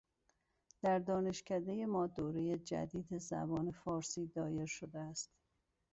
در دانشکدهٔ ما دورهٔ جدید زبان فارسی دایر شده است.